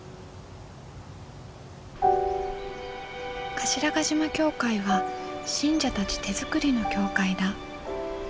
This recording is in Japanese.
頭ヶ島教会は信者たち手作りの教会だ。